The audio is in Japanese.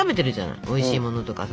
おいしいものとかさ